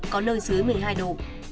có nơi dưới một mươi hai độ